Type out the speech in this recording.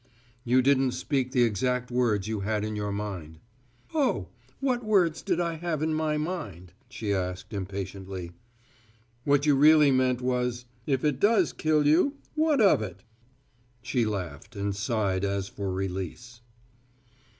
"You didn't speak the exact words you had in your mind.'" "Oh, what words did I have `in my mind'?" she asked impatiently. "What you really meant was: `If it does kill you, what of it?'" She laughed, and sighed as for release.